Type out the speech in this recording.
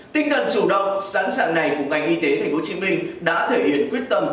tinh thần chủ động sẵn sàng này của ngành y tế tp hcm đã thể hiện quyết tâm